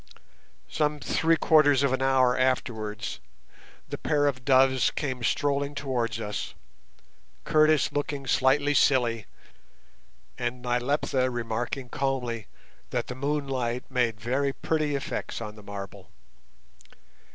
Some three quarters of an hour afterwards the "pair of doves" came strolling towards us, Curtis looking slightly silly, and Nyleptha remarking calmly that the moonlight made very pretty effects on the marble.